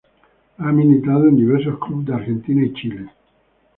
Ha militado en diversos clubes de Argentina y Chile.